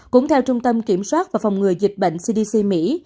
cũng theo trung tâm kiểm soát và phòng ngừa dịch bệnh cdc mỹ